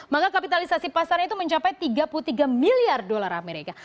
maka kapitalisasi pasarnya itu mencapai tiga puluh tiga miliar dolar amerika